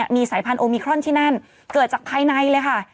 มีสายพันธุมิครอนที่นั่นเกิดจากภายในเลยค่ะ